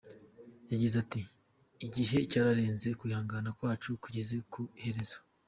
Yagize ati “Igihe cyararenze, kwihanga kwacu kugeze ku iherezo.